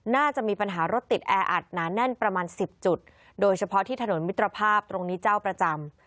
น่าจะมีปัญหารถติดแออัดหนาแน่นประมาณสิบจุดโดยเฉพาะที่ถนนมิตรภาพตรงนี้เจ้าประจำ